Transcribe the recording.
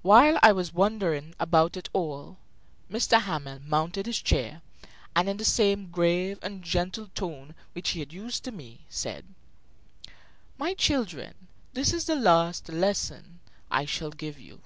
While I was wondering about it all, M. Hamel mounted his chair, and, in the same grave and gentle tone which he had used to me, said: "My children, this is the last lesson I shall give you.